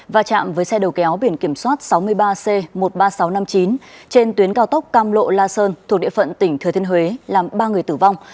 và chạm với xe đầu kéo biển kiểm soát sáu mươi ba c một mươi ba nghìn sáu trăm năm mươi chín trên tuyến cao tốc cam lộ la sơn thuộc địa phận tỉnh thừa thiên huế làm ba người tử vong